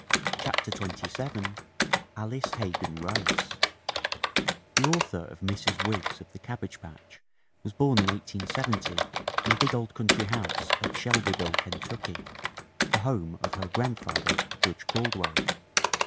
CHAPTER XXVII ALICE HEGAN RICE THE author of Mrs. Wiggs of the Cabbage Patch was born in 1870 in a big old country house at Shelby ville, Kentucky, the home of her grandfather, Judge Caldwell.